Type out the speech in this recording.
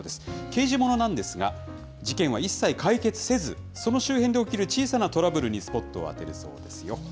刑事ものなんですが、事件は一切、解決せず、その周辺で起きる小さなトラブルにスポットを当てるそうですよ。